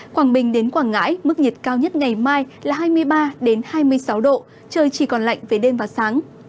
quảng bình đến quảng ngãi mức nhiệt cao nhất ngày mai là hai mươi ba hai mươi sáu độ trời chỉ còn lạnh về đêm và sáng